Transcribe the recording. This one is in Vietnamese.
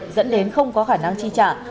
dẫn đến không có khả năng chi trả